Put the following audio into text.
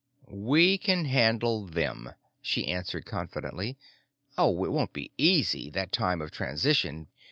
"We can handle them," she answered confidently. "Oh, it won't be easy, that time of transition.